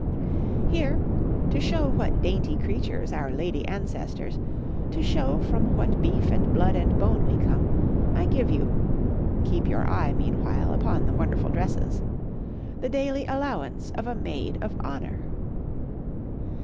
Here, to show what dainty creatures were our lady ancestors, to show from what beef and blood and bone we come, I give you (keep your eye meanwhile upon the wonderful dresses) the daily allowance of a Maid of Honour.